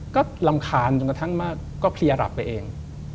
ก็รำคาญจนกระทั่งมากก็เพลียหลับไปเอง